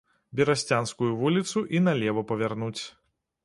Берасцянскую вуліцу і налева павярнуць.